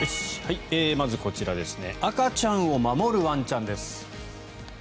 まずこちら、赤ちゃんを守るワンちゃんです。